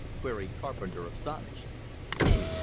queried Carpenter astonished. "Think?